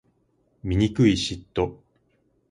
醜い嫉妬